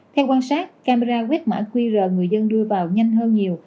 theo quan sát camera quét mã qr người dân đưa vào nhanh hơn nhiều